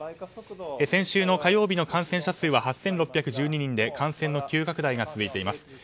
先週火曜日の感染者数は８６１２人で感染の急拡大が続いています。